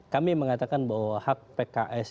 kami mengatakan bahwa hak pks